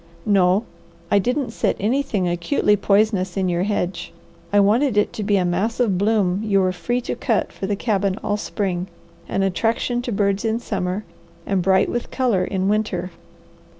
"No. I didn't set anything acutely poisonous in your hedge. I wanted it to be a mass of bloom you were free to cut for the cabin all spring, an attraction to birds in summer, and bright with colour in winter.